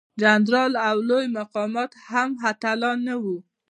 جنرالان او لوی مقامات هم اتلان نه وو.